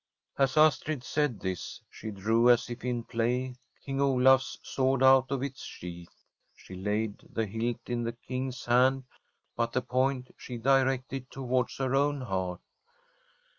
' As Astrid said this, she drew, as if in play, King Olafs sword out of its sheath. She laid the hilt in the King's hand, but the point she directed towards her own heart.